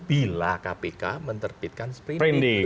bila kpk menerbitkan sprinting